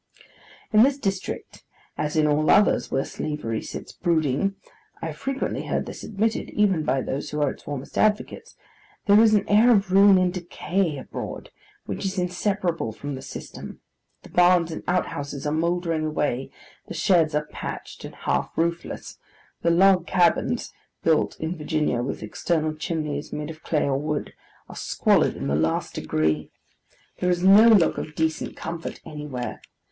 In this district, as in all others where slavery sits brooding, (I have frequently heard this admitted, even by those who are its warmest advocates:) there is an air of ruin and decay abroad, which is inseparable from the system. The barns and outhouses are mouldering away; the sheds are patched and half roofless; the log cabins (built in Virginia with external chimneys made of clay or wood) are squalid in the last degree. There is no look of decent comfort anywhere.